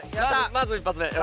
まず１発目。